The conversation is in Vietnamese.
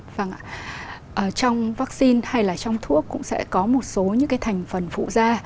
vâng ạ trong vắc xin hay là trong thuốc cũng sẽ có một số những thành phần phụ da